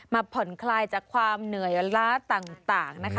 ผ่อนคลายจากความเหนื่อยล้าต่างนะคะ